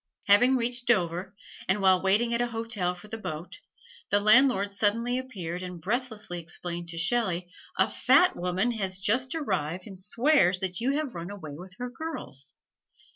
Having reached Dover, and while waiting at a hotel for the boat, the landlord suddenly appeared and breathlessly explained to Shelley, "A fat woman has just arrived and swears that you have run away with her girls!"